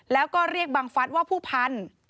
แล้วก็เรียกบังฟัฐว่าผู้พันธุ์